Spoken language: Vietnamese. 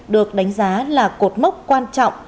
được đánh giá là cột mốc quan trọng